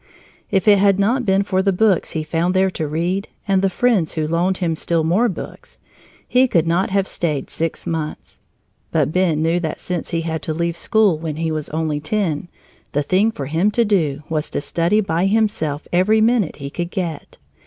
If it had not been for the books he found there to read and the friends who loaned him still more books, he could not have stayed six months. But Ben knew that since he had to leave school when he was only ten, the thing for him to do was to study by himself every minute he could get.